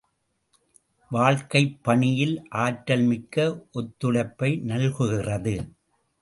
வாழ்க்கைப் பணியில் ஆற்றல் மிக்க ஒத்துழைப்பை நல்குகிறது.